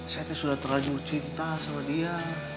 saya sudah terlanjur cinta sama dia